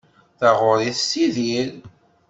Taɣuri tessidir.